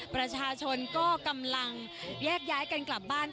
ประชาชนก็กำลังแยกย้ายกันกลับบ้าน